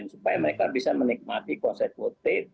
supaya mereka bisa menikmati konsekutif